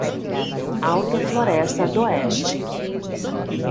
Alta Floresta d'Oeste